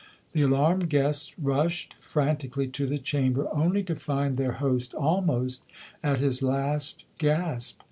The alarmed guests rushed frantically to the chamber, only to find their host almost at his last gasp.